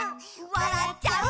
「わらっちゃう」